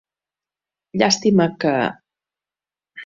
Llàstima que...